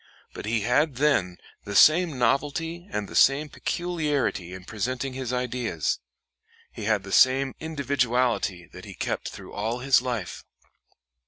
But he had then the same novelty and the same peculiarity in presenting his ideas. He had the same individuality that he kept through all his life."